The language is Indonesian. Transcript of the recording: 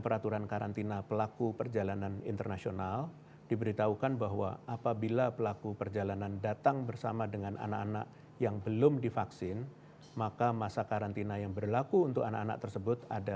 bagi pelaku perjalanan yang wajib